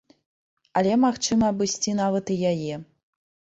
Але магчыма абысці нават і яе.